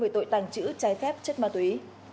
về tội tàng chữ cháy phép chất ma túy